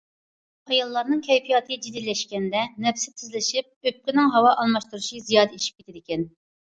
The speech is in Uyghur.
ئاياللارنىڭ كەيپىياتى جىددىيلەشكەندە، نەپىسى تېزلىشىپ، ئۆپكىنىڭ ھاۋا ئالماشتۇرۇشى زىيادە ئېشىپ كېتىدىكەن.